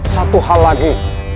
satu hal lagi